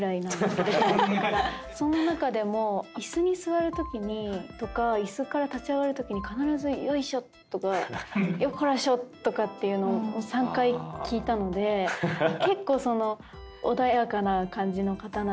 その中でも椅子に座るときとか椅子から立ち上がるときに必ず「よいしょ」とか「よっこらしょ」というのを３回聞いたので結構穏やかな感じの方なんだと安心しました。